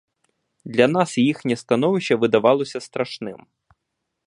Для нас їхнє становище видавалось страшним.